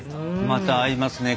また合いますね